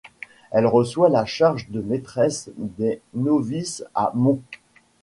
Elle reçoit la charge de maîtresse des novices à Mons.